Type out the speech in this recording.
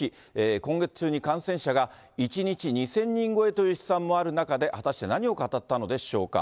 今月中に感染者が１日２０００人超えという試算もある中で、果たして何を語ったのでしょうか。